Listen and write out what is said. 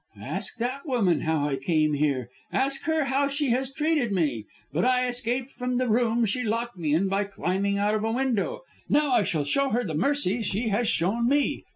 "Ask that woman how I came here; ask her how she has treated me. But I escaped from the room she locked me in by climbing out of the window. Now I shall show her the mercy she has shown me.